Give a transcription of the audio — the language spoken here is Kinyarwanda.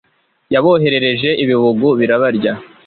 yaboherereje ibibugu birabarya